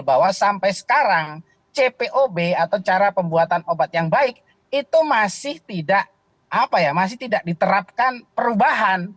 bahwa sampai sekarang cpob atau cara pembuatan obat yang baik itu masih tidak apa ya masih tidak diterapkan perubahan